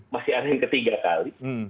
masih ada yang ketiga kali